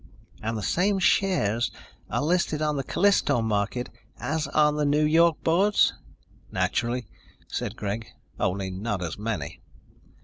"And the same shares are listed on the Callisto market as on the New York boards?" "Naturally," said Greg, "only not as many."